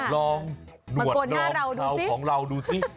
ลองหนวดหน้าของเราดูสิ